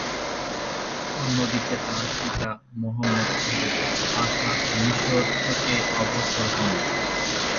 অন্যদিকে তার পিতা মুহাম্মদ আলি পাশা মিশর থেকে অগ্রসর হন।